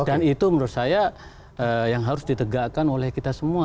dan itu menurut saya yang harus ditegakkan oleh kita semua